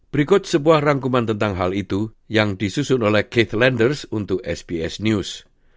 berikut sebuah rangkuman tentang hal itu yang disusun oleh katelenders untuk sbs news